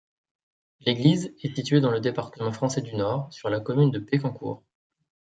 L'église est située dans le département français du Nord, sur la commune de Pecquencourt.